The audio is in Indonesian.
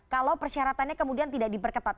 kalau persyaratannya kemudian tidak diperketat